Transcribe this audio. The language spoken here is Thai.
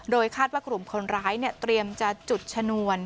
โดยคาดว่ากลุ่มคนร้ายเตรียมจะจุดชนวน